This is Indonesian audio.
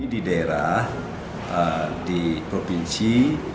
di daerah di provinsi